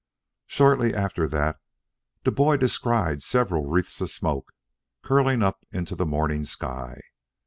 Shortly after that the boy descried several wreaths of smoke curling up into the morning sky.